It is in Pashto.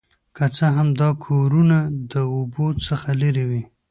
که څه هم دا کورونه د اوبو څخه لرې وي